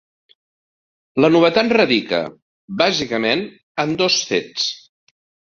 La novetat radica, bàsicament, en dos fets.